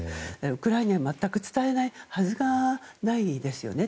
ウクライナに全く伝えないはずがないですよね。